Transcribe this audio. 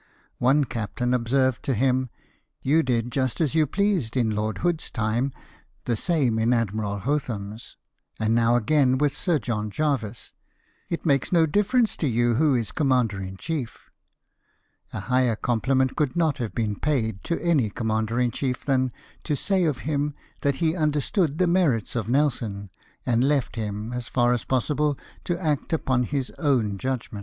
One captain observed to him :" You did just as you pleased in Lord Hood's time, the same in Admiral Hotham's, and now again with Sir John Jervis : it makes no diflerence to you who is commander in chief" A higher compliment could not have been paid to any commander in chief than to say of him that he understood the merits of Nelson, and left him, as far as possible, to act upon his own judg ment.